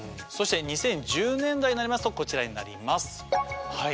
そして２０１０年代になりますとこちらになります。